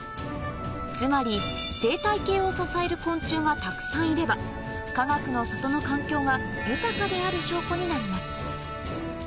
つまり生態系を支える昆虫がたくさんいればかがくの里の環境が豊かである証拠になります